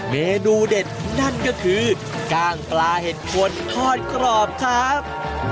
เมนูเด็ดนั่นก็คือกล้างปลาเห็ดคนทอดกรอบครับ